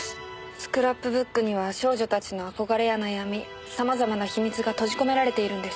スクラップブックには少女たちの憧れや悩みさまざまな秘密が閉じ込められているんです。